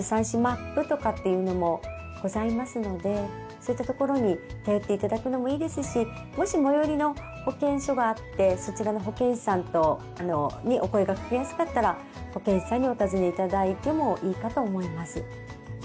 そういった所に頼って頂くのもいいですしもし最寄りの保健所があってそちらの保健師さんにお声かけやすかったら保健師さんにお尋ね頂いてもいいかと思います。